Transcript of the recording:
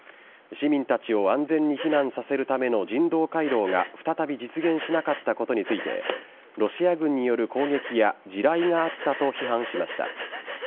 市民たちを安全に避難させるための人道回廊が再び実現しなかったことについて、ロシア軍による攻撃や地雷があったと批判しました。